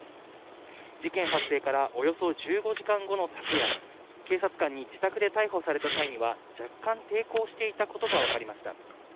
事件発生からおよそ１５時間後の昨夜、警察官に自宅で逮捕された際には、若干抵抗していたことが分かりました。